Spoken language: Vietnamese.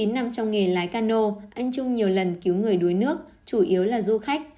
chín nằm trong nghề lái cano anh trung nhiều lần cứu người đuối nước chủ yếu là du khách